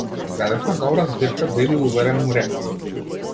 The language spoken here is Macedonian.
Наградивме добра збирка, биди уверен, му реков.